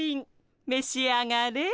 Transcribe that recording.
めし上がれ。